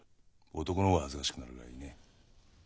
男の方が恥ずかしくなるぐらいにね。